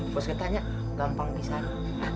bos ketanya gampang di sana